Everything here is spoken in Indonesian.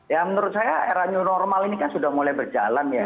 ya menurut saya era new normal ini kan sudah mulai berjalan ya